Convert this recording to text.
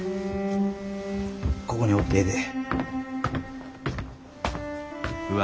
ここにおってええで。